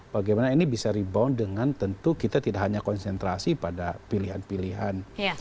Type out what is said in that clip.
bagaimana ini bisa rebound dengan tentu kita tidak hanya konsentrasi pada pilihan pilihan